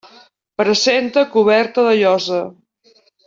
Presenta coberta de llosa.